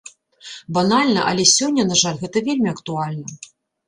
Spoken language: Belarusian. Банальна, але сёння, на жаль, гэта вельмі актуальна.